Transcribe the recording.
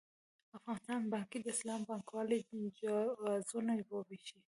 افغانستان بانک د اسلامي بانکوالۍ جوازونه وېشي.